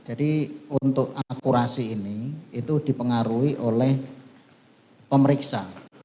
untuk akurasi ini itu dipengaruhi oleh pemeriksa